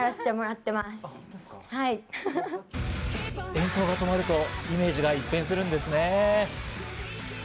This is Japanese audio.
演奏が止まるとイメージが一変するんですね。